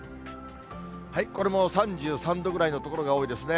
これも３３度ぐらいの所が多いですね。